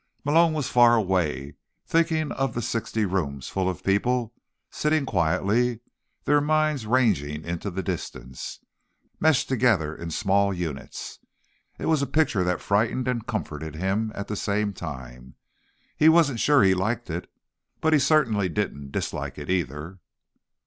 Malone was far away, thinking of the sixty rooms full of people, sitting quietly, their minds ranging into the distance, meshed together in small units. It was a picture that frightened and comforted him at the same time. He wasn't sure he liked it, but he certainly didn't dislike it, either.